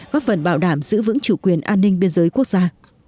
góp phần bảo đảm giữ vững chủ quyền an ninh biên giới quốc gia